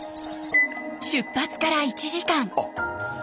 出発から１時間。